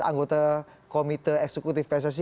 anggota komite eksekutif pssi